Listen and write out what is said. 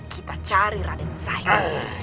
kita cari raden saini